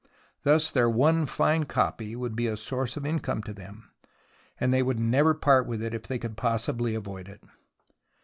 Thus their one fine copy would be a source of income to them, and they would never part with it if they could possibly avoid it.